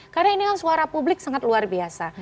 karena ini kan suara publik sangat luar biasa